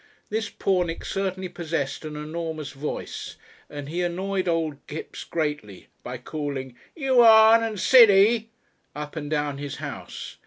This Pornick certainly possessed an enormous voice, and he annoyed old Kipps greatly by calling, "You Arn" and "Siddee," up and down his house.